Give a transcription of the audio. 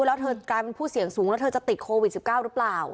แล้วเธอกลายเป็นผู้เสี่ยงสูงแล้วเธอจะติดโควิด๑๙หรือเปล่า